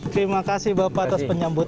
terima kasih bapak atas penyambutan